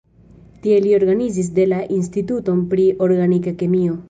Tie li organizis la la instituton pri organika kemio.